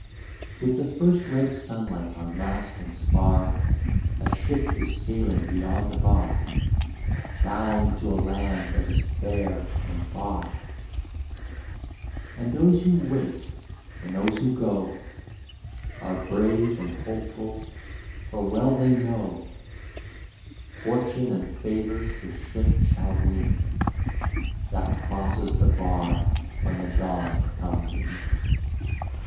With the first red sunlight on mast and spar A ship is sailing beyond the bar. Bound to a land that is fair and far; And those who wait and those who go Are brave and hopeful, for well they know Fortune and favor the ship shall win That crosses the bar when the dawn comes in.